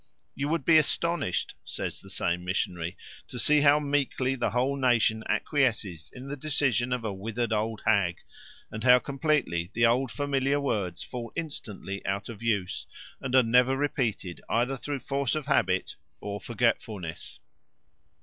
You would be astonished, says the same missionary, to see how meekly the whole nation acquiesces in the decision of a withered old hag, and how completely the old familiar words fall instantly out of use and are never repeated either through force of habit or forgetfulness.